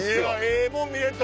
ええもん見れた！